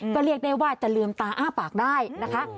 ก็เรียกได้ว่าจะลืมตาอ้าปากได้นะคะ